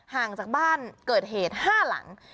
ห่างจากบ้านเกิดเหตุ๕หลัง